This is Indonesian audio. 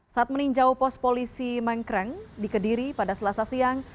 saat meninjau pos polisi mengkreng di kediri pada selasa siang